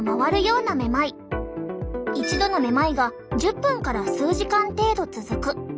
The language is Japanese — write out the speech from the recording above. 一度のめまいが１０分から数時間程度続く。